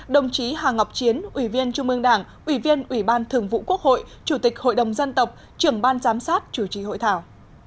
đồng chí hà ngọc chiến ủy viên trung ương đảng ủy viên ủy ban thường vụ quốc hội chủ tịch hội đồng dân tộc trưởng ban giám sát chủ trì hội thảo